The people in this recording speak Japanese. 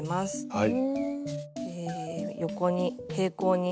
はい。